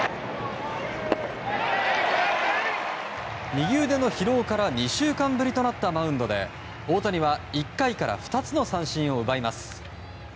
右腕の疲労から２週間ぶりとなったマウンドで大谷は１回から２つの三振を奪います。